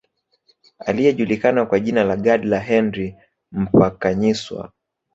Aliyejulikana kwa jina la Gadla Henry Mphakanyiswa